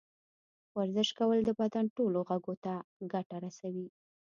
ورزش کول د بدن ټولو غړو ته ګټه رسوي.